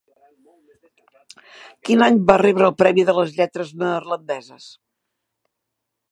Quin any va rebre el Premi de les Lletres neerlandeses?